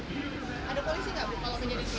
ada polisi tidak kalau terjadi